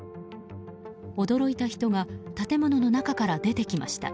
驚いた人が建物の中から出てきました。